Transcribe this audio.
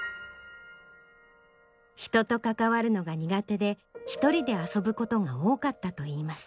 人と関わるのが苦手で一人で遊ぶことが多かったといいます。